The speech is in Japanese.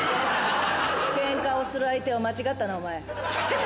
ケンカをする相手を間違ったなお前。